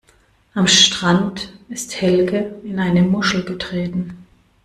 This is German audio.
Am Strand ist Helge in eine Muschel getreten.